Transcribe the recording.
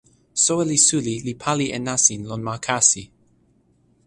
soweli suli li pali e nasin lon ma kasi.